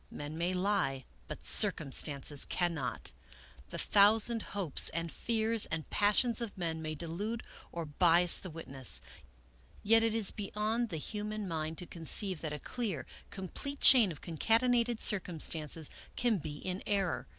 " Men may lie, but circumstances cannot. The thousand 89 American Mystery Stories hopes and fears and passions of men may delude, or bias the witness. Yet it is beyond the human mind to conceive that a clear, complete chain of concatenated circumstances can be in error.